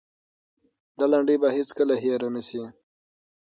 دا لنډۍ به هېڅکله هېره نه سي.